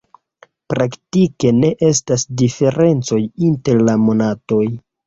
Praktike ne estas diferencoj inter la monatoj.